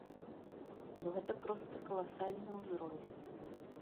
Ну гэта проста каласальны ўзровень.